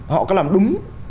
họ có làm đúng